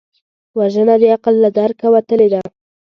وژنه د عقل له درکه وتلې ده